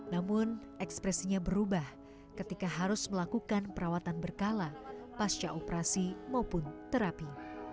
namun ekspresinya berubah ketika harus melakukan perawatan berkala pasca operasi maupun terapi